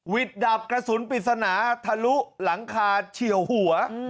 ดับกระสุนปริศนาทะลุหลังคาเฉียวหัว